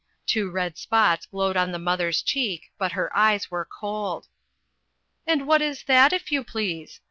Two red spots glowed on the mother's cheek, but her eyes were cold. " And what is that, if you please